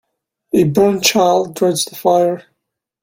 A burnt child dreads the fire.